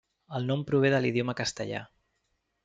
El nom prové de l'idioma castellà.